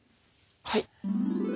はい。